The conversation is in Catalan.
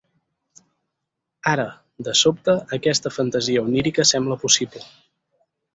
Ara, de sobte, aquesta fantasia onírica sembla possible.